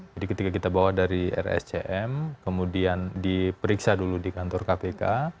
jadi ketika kita bawa dari rscm kemudian diperiksa dulu di kantor kpk